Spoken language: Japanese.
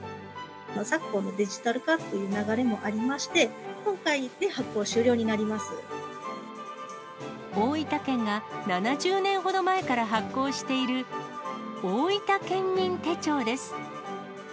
昨今のデジタル化という流れもありまして、大分県が７０年ほど前から発行している、おおいた県民手帳です。